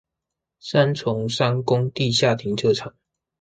三重商工地下停車場